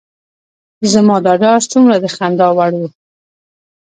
زما دا ډار څومره د خندا وړ و.